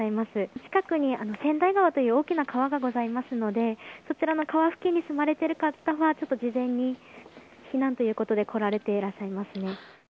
近くに川内川という大きな川がございますので、そちらの川付近に住まれてる方は、ちょっと事前に避難ということで来られていらっしゃいますね。